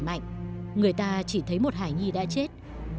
nhưng khi thấy một đứa bé khỏe mạnh người ta chỉ thấy một hải nghi đã chết